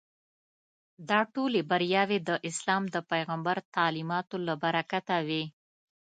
دا ټولې بریاوې د اسلام د پیغمبر تعلیماتو له برکته وې.